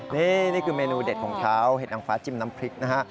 นี่นี่คือเมนูเด็ดของเขาเห็ดนางฟ้าจิ้มน้ำพริกนะฮะ